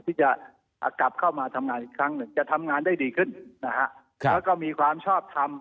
ที่จะกลับเข้ามาทำงานอีกครั้งหนึ่งจะทำงานได้ดีขึ้นนะฮะแล้วก็มีความชอบทำ